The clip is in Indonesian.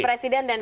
presiden dan dpd